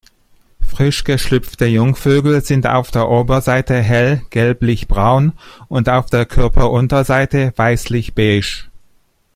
Frisch geschlüpfte Jungvögel sind auf der Oberseite hell gelblich-braun und auf der Körperunterseite weißlich-beige.